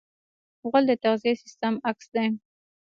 غول د تغذیې سیستم عکس دی.